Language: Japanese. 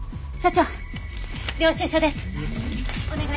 お願い。